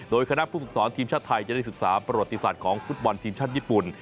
โดยคณะผู้ฝึกสอนทีมชาติไทยจะได้ศึกษาประวัติศาสตร์ของฟุตบอลทีมชาติญี่ปุ่น